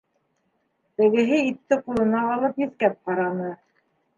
Тегеһе итте ҡулына алып еҫкәп ҡараны.